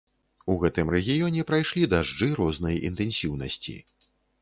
У гэтым рэгіёне прайшлі дажджы рознай інтэнсіўнасці.